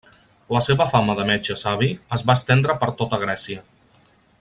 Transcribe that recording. La seva fama de metge savi es va estendre per tota Grècia.